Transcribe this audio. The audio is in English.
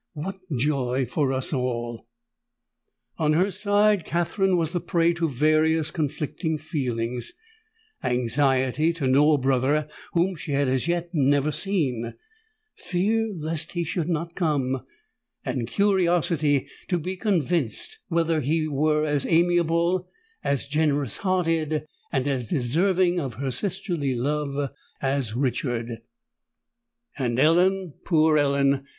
what joy for us all!" On her side, Katherine was the prey to various conflicting feelings,—anxiety to know a brother whom she had as yet never seen—fear lest he should not come—and curiosity to be convinced whether he were as amiable, as generous hearted, and as deserving of her sisterly love as Richard. And Ellen—poor Ellen!